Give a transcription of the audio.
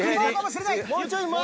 もうちょい前。